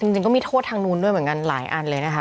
จริงก็มีโทษทางนู้นด้วยเหมือนกันหลายอันเลยนะคะ